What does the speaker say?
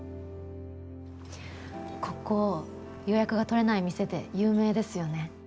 ここ予約が取れない店で有名ですよね。